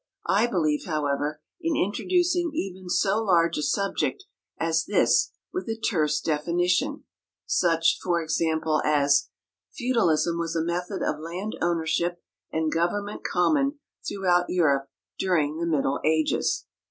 I believe, however, in introducing even so large a subject as this with a terse definition, such, for example, as: "Feudalism was a method of land ownership and government common throughout Europe during the middle ages."